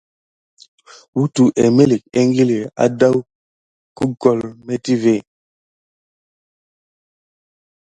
Wutəwa emilik ékili adawu gukole metivé.